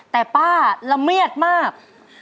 แต่ป้าละเมียดมาก